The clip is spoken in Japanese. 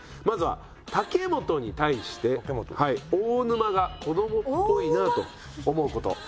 まずは武元に対して大沼が子どもっぽいなぁと思うこと。